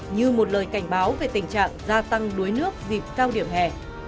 như một lời cảnh báo về tình trạng gia tăng đuối nước dịp cao điểm hè